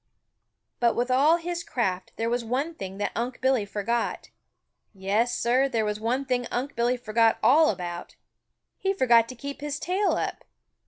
But with all his craft, there was one thing that Unc' Billy forgot. Yes, Sir, there was one thing Unc' Billy forgot all about. He forgot to keep his tail up.